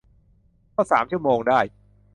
ก็สามชั่วโมงได้